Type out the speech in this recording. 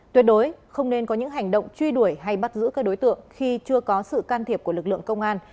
tuyệt đối không nên có những hành động truy đuổi hay bắt giữ các đối tượng khi chưa có sự can thiệp của lực lượng công an